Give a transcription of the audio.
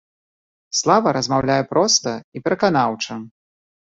Слава размаўляе проста і пераканаўча.